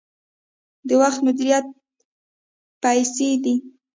د وخت مدیریت پیسې دي